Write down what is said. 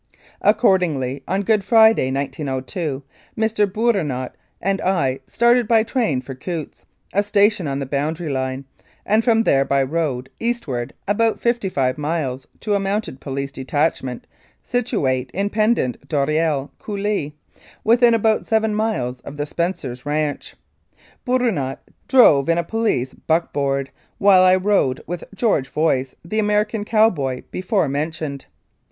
Accordingly on Good Friday, 1902, Mr. Bourinot and I started by train for Coutts, a station on the boundary line, and from there by road eastward about fifty five miles to a Mounted Police detachment situate in Pendant d'Oreille Coulee, within about seven miles of the Spencers' ranche. Bourinot drove in a police buck board, while I rode with George Voice, the American cowboy before mentioned.